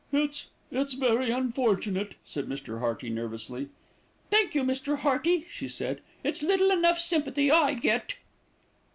"It's it's very unfortunate," said Mr. Hearty nervously. "Thank you, Mr. Hearty," she said. "It's little enough sympathy I get."